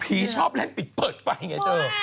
ชอบเล่นปิดเปิดไฟไงเธอ